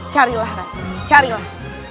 carilah rani carilah